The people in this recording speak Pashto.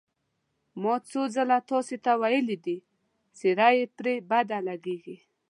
ما څو ځل تاسې ته ویلي دي، څېره یې پرې بده لګېږي.